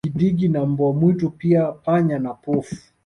Digidigi na mbwa mwitu pia panya na pofu